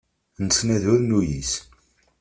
Nettnadi ur nuyis.